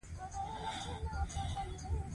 انګریزان هند ته تللي دي.